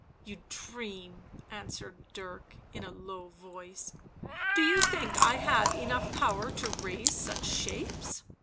" You dream," answered Dirk in a low voice. " Do you think I have enough power to raise such shapes